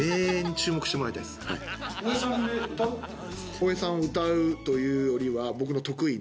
大江さんを歌うというよりは。